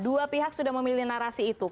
dua pihak sudah memilih narasi itu